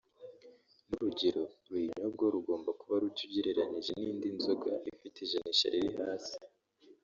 n’urugero ruyinyobwaho rugomba kuba ruke ugereranyije n’indi nzoga ifite ijanisha riri hasi